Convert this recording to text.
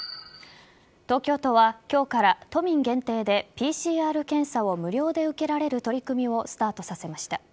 東京都は、今日から都民限定でＰＣＲ検査を無料で受けられる取り組みをスタートさせました。